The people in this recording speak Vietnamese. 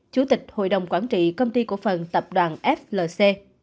chủ tịch hội đồng quản trị công ty cổ phần tập đoàn flc